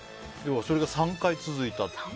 それが３回続いたって。